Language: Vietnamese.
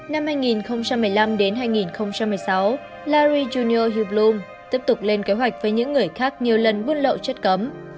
năm hai nghìn một mươi năm đến hai nghìn một mươi sáu lary yunio hivlum tiếp tục lên kế hoạch với những người khác nhiều lần buôn lậu chất cấm